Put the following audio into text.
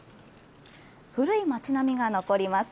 古い町並みが残ります。